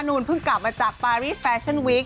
นูนเพิ่งกลับมาจากปารีแฟชั่นวิก